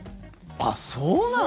あっ、そうなの？